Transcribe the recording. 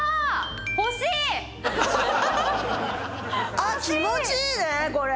あっ気持ちいいねこれ。